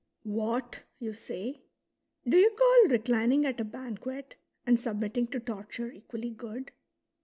" What," you say, " do you call reclining at a banquet and submitting to torture equally good